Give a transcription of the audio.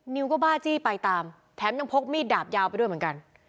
นิวก็บ้าจี้ไปตามแถมยังพกมีดดาบยาวไปด้วยเหมือนกัน